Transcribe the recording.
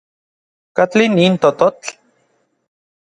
¿Katli nin tototl?